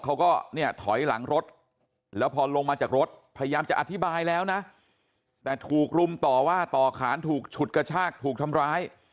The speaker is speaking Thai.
เขาก็เนี่ยถอยหลังรถแล้วพอลงมาจากรถพยายามจะอธิบายแล้วนะแต่ถูกรุมต่อว่าต่อขานถูกฉุดกระชากถูกทำร้าย